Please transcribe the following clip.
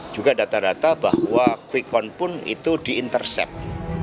juga data data bahwa quick count pun itu di intercept